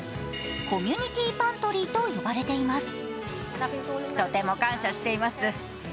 コミュニティーパントリーと呼ばれています。